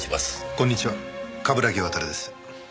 こんにちは冠城亘です。